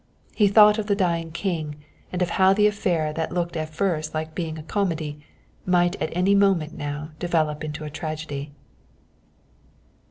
He thought of the dying king and of how the affair that looked at first like being a comedy, might at any moment now develop into a tragedy.